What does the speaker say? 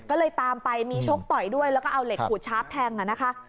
ก็เลยตามไปมีชกต่อยด้วยแล้วก็เอาเหล็กขูดชาร์ฟแทงนะคะ